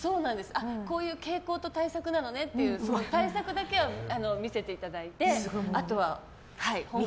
こういう傾向と対策なのねって対策だけは見せていただいてあとは本国で。